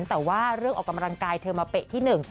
แต่ว่าเรื่องออกกำลังกายเธอมาเป๊ะที่หนึ่ง